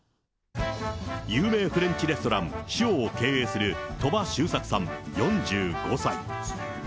有名フレンチレストラン、シオを経営する、鳥羽周作さん４５歳。